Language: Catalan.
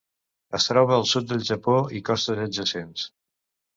Es troba al sud del Japó i costes adjacents.